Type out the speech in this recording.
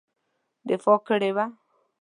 دفاع کړې وه.